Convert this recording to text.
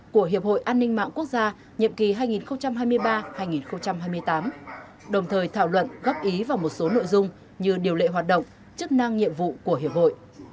của hiệp hội an ninh mạng quốc gia nhiệm kỳ hai nghìn hai mươi ba hai nghìn hai mươi tám đồng thời thảo luận góp ý vào một số nội dung như điều lệ hoạt động chức năng nhiệm vụ của hiệp hội